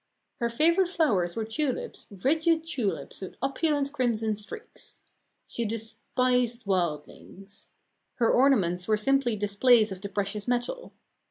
Her favourite flowers were tulips, rigid tulips with opulent crimson streaks. She despised wildings. Her ornaments were simply displays of the precious metal.